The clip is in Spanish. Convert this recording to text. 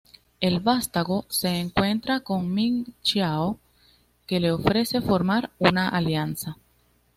El vástago se encuentra con Ming-Xiao, que le ofrece formar una alianza.